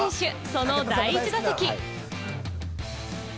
その第１打席。